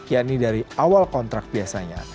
yakni dari awal kontrak biasanya